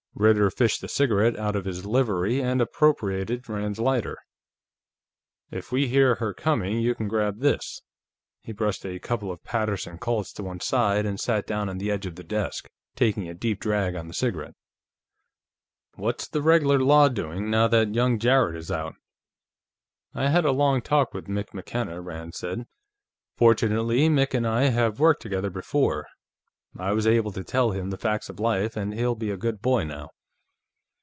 Ritter fished a cigarette out of his livery and appropriated Rand's lighter. "If we hear her coming, you can grab this." He brushed a couple of Paterson Colts to one side and sat down on the edge of the desk, taking a deep drag on the cigarette. "What's the regular law doing, now that young Jarrett is out?" "I had a long talk with Mick McKenna," Rand said. "Fortunately, Mick and I have worked together before. I was able to tell him the facts of life, and he'll be a good boy now.